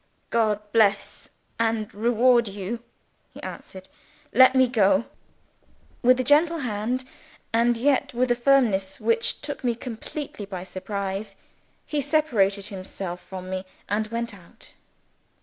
"God bless and reward you!" he answered. "Let me go." With a gentle hand and yet with a firmness which took me completely by surprise he separated himself from me, and went out.